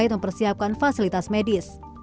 kedua mempersiapkan fasilitas medis